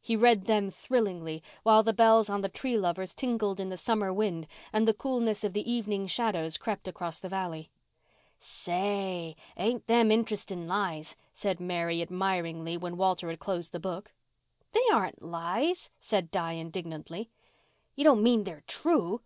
He read them thrillingly, while the bells on the Tree Lovers tinkled in the summer wind and the coolness of the evening shadows crept across the valley. "Say, ain't them in'resting lies?" said Mary admiringly when Walter had closed the book. "They aren't lies," said Di indignantly. "You don't mean they're true?"